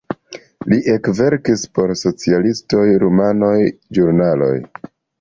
Li ekverkis por socialistaj rumanaj ĵurnaloj.